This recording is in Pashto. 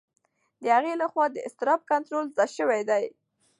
د هغه لخوا د اضطراب کنټرول زده شوی دی.